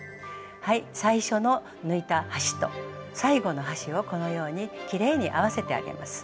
最初の抜いた端と最後の端をこのようにきれいに合わせてあげます。